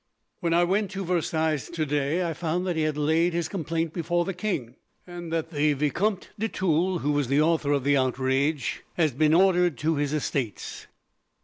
"When I went to Versailles, today, I found that he had laid his complaint before the king, and that the Vicomte de Tulle, who was the author of the outrage, had been ordered to his estates.